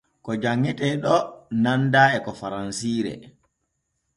Ko janŋete ɗon nanda e ko faransire.